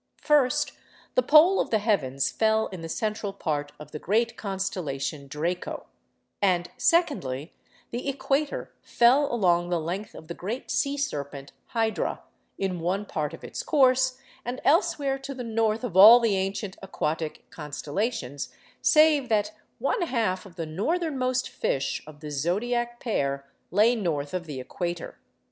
First, the pole of the heavens fell in the central part of the great constellation Draco; and, secondly, the equator fell along the length of the great sea serpent Hydra, in one part of its course, and elsewhere to the north of all the ancient aquatic constellations, save that one half of the northernmost fish (of the zodiac pair) lay north of the equator.